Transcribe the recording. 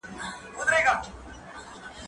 زه تکړښت کړي دي